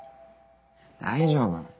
大丈夫。